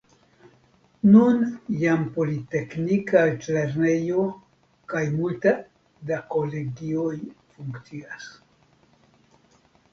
Nun jam politeknika altlernejo kaj multe da kolegioj funkcias.